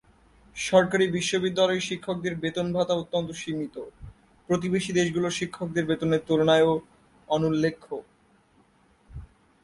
সরকারি বিশ্ববিদ্যালয়ের শিক্ষকদের বেতন-ভাতা অত্যন্ত সীমিত, প্রতিবেশী দেশগুলোর শিক্ষকদের বেতনের তুলনায়ও অনুল্লেখ্য।